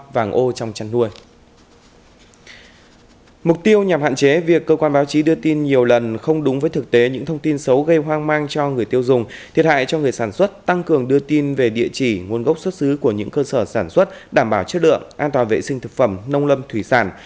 mục tiêu nhằm hạn chế việc cơ quan báo chí đưa tin nhiều lần không đúng với thực tế những thông tin xấu gây hoang mang cho người tiêu dùng thiệt hại cho người sản xuất tăng cường đưa tin về địa chỉ nguồn gốc xuất xứ của những cơ sở sản xuất đảm bảo chất lượng an toàn vệ sinh thực phẩm nông lâm thủy sản